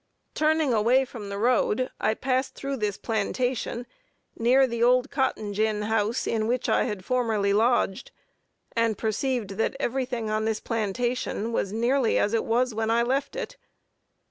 Turning away from the road I passed through this plantation, near the old cotton gin house in which I had formerly lodged, and perceived that every thing on this plantation was nearly as it was when I left it.